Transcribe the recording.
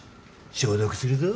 消毒するぞ。